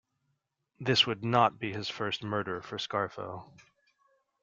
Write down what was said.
This would not be his first murder for Scarfo.